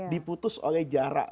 diputus oleh jarak